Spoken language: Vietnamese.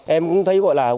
em cũng thấy gọi là